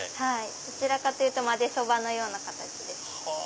どちらかというと混ぜそばのような形です。